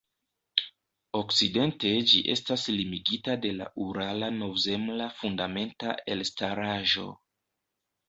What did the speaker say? Okcidente ĝi estas limigita de la Urala-Novzemla fundamenta elstaraĵo.